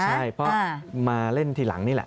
ใช่เพราะมาเล่นทีหลังนี่แหละ